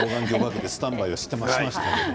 スタンバイはしていましたけど。